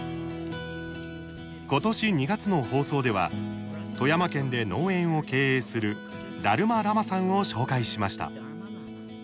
ことし２月の放送では富山県で農園を経営するダルマ・ラマさんを紹介しました。